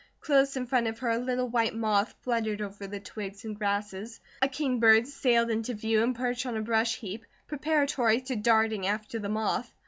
Close in front of her a little white moth fluttered over the twigs and grasses. A kingbird sailed into view and perched on a brush heap preparatory to darting after the moth.